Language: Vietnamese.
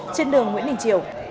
trên đường nguyễn đình triệu